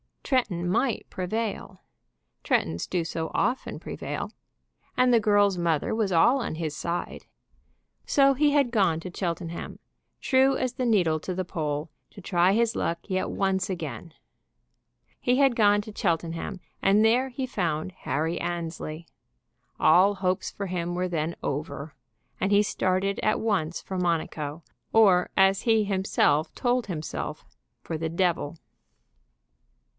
Tretton might prevail. Trettons do so often prevail. And the girl's mother was all on his side. So he had gone to Cheltenham, true as the needle to the pole, to try his luck yet once again. He had gone to Cheltenham, and there he found Harry Annesley. All hopes for him were then over and he started at once for Monaco; or, as he himself told himself, for the devil.